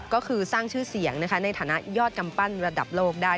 ก็คือสร้างชื่อเสียงในฐานะยอดกำปั้นระดับโลกได้